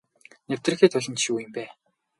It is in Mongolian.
Нэвтэрхий толь нь ч юу юм бэ.